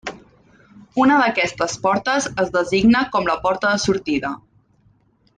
Una d'aquestes portes es designa com la porta de sortida.